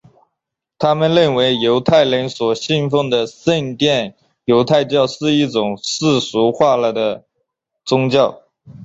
他们认为犹太人所信奉的圣殿犹太教是一种世俗化了的宗教。